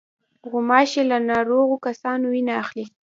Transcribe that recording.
غوماشې له ناروغو کسانو وینه اخلي.